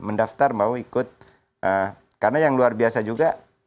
mendaftar mau ikut karena yang luar biasa juga